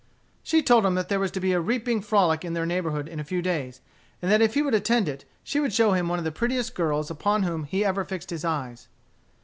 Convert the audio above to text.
She told him that there was to be a reaping frolic in their neighborhood in a few days, and that if he would attend it, she would show him one of the prettiest girls upon whom he ever fixed his eyes.